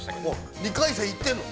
◆２回戦行ってんの？